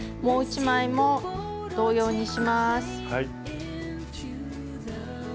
もう一枚も同様にします。